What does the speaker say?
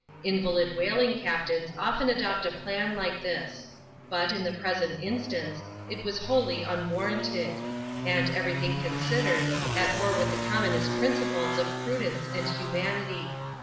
Invalid whaling captains often adopt a plan like this ; but, in the present instance, it was wholly unwar ranted ; and, every thing considered, at war with the commonest principles of prudence and humanity.